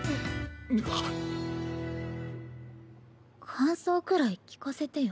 感想くらい聞かせてよ。